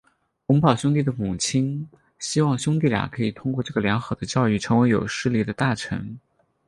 洪堡兄弟的母亲希望兄弟俩可以通过这个良好的教育成为有势力的大臣。